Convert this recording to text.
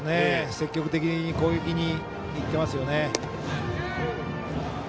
積極的に攻撃にいってますよね。